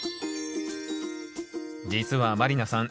実は満里奈さん